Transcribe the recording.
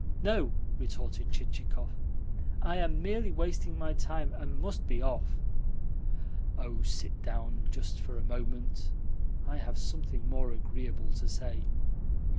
"No," retorted Chichikov. "I am merely wasting my time, and must be off." "Oh, sit down just for a moment. I have something more agreeable to say."